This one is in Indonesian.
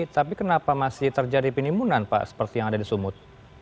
tapi kenapa masih terjadi penimbunan pak seperti yang ada di sumut